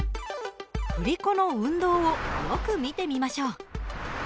振り子の運動をよく見てみましょう。